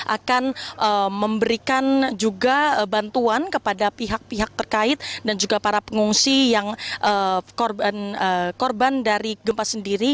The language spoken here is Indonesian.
akan memberikan juga bantuan kepada pihak pihak terkait dan juga para pengungsi yang korban dari gempa sendiri